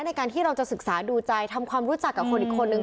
ในการที่เราจะศึกษาดูใจทำความรู้จักกับคนอีกคนนึง